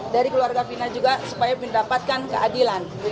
dari keluarga fina juga supaya mendapatkan keadilan